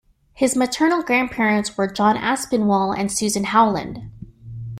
His maternal grandparents were John Aspinwall and Susan Howland.